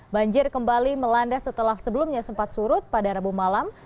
banjir kembali melanda setelah sebelumnya sempat surut pada rabu malam